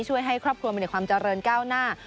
ให้ครอบครัวมีความเจริญก้าวหน้า